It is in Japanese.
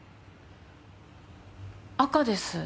赤です。